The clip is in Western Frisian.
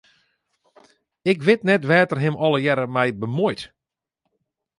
Ik wit net wêr't er him allegearre mei bemuoit.